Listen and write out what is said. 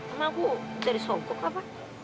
emang aku jadi sokok apa